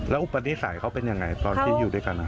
อุปนิสัยเขาเป็นยังไงตอนที่อยู่ด้วยกัน